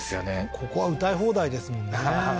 ここは歌い放題ですもんねはははっ